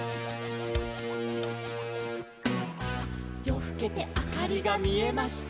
「よふけてあかりがみえました」